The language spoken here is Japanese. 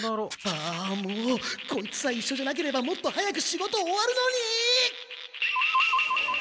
あもうこいつさえいっしょじゃなければもっと早く仕事終わるのに！